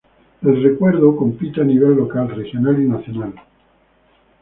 El Recuerdo compite a nivel local, regional y nacional.